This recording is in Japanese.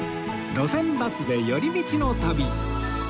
『路線バスで寄り道の旅』